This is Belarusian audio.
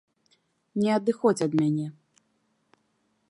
Не адыходзь ад мяне.